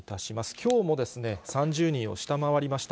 きょうも３０人を下回りました。